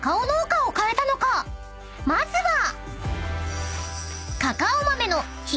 ［まずは］